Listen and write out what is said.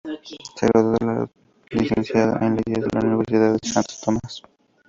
Se graduó de licenciado en leyes en la Universidad de Santo Tomás.